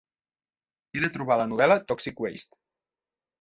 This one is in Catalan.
He de trobar la novel·la 'Toxic Waste'.